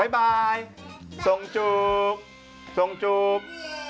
บ๊ายส่องจูบ